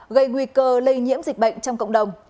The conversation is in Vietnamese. gây nguy cơ lây nhiễm dịch bệnh trong cộng đồng